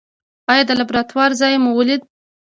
ایا د لابراتوار ځای مو ولید؟